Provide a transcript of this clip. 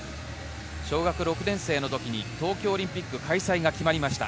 小学６年生の時に東京オリンピック開催が決まりました。